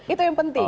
itu yang penting